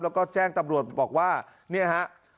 แล้วก็แจ้งตำรวจบอกว่าเนี่ยฮะ